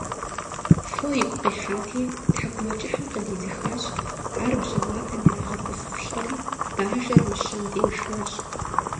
Фо игу къихьати, тхьэкӏумэкӏыхьым къыдидзыхащ, ар бжьэматэм иригъэтӏысылӏэри, бажэр мыщэм деж жащ.